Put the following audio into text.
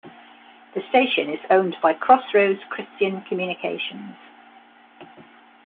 The station is owned by Crossroads Christian Communications.